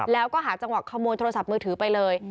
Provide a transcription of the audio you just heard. แล้วก็หาจังหวะขโมยโทรศัพท์มือถือไปเลย